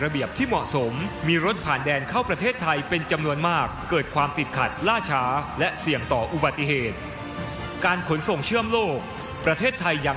วินาศาสนชาติและไม่มีการคุมเที่ยม